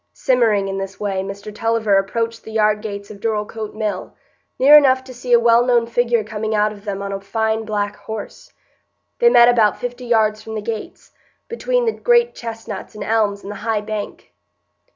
Simmering in this way, Mr Tulliver approached the yardgates of Dorlcote Mill, near enough to see a well known figure coming out of them on a fine black horse. They met about fifty yards from the gates, between the great chestnuts and elms and the high bank.